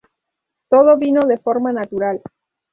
Todo vino de forma natural.